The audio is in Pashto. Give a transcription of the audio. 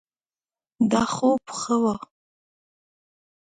دا خوب ښه ؤ